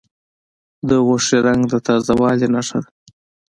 د غوښې رنګ د تازه والي نښه ده.